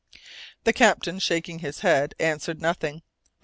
The captain, shaking his head, answered nothing.